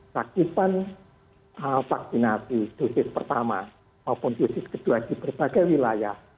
cakupan vaksinasi dosis pertama maupun dosis kedua di berbagai wilayah